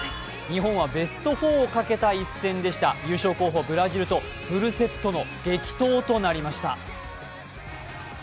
日本はベスト４をかけた一戦でした優勝候補・ブラジルとフルセットの激闘となりました。